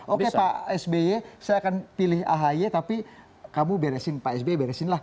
oke pak sby saya akan pilih ahy tapi kamu beresin pak sby beresin lah